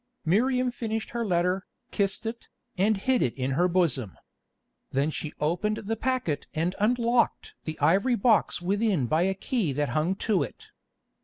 Miriam finished her letter, kissed it, and hid it in her bosom. Then she opened the packet and unlocked the ivory box within by a key that hung to it.